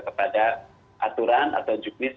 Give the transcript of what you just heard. kepada aturan atau juknis